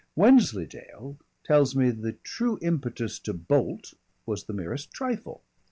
Wensleydale tells me the true impetus to bolt was the merest trifle.